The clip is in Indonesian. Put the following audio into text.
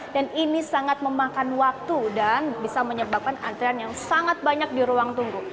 dan ini sangat memakan waktu dan bisa menyebabkan antrian yang sangat banyak di ruang tunggu